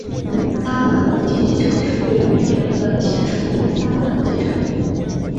萨那国际机场是位于也门的前首都萨那的机场。